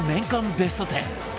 ベスト１０